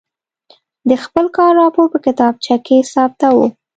د خپل کار راپور په کتابچه کې ثبتاوه.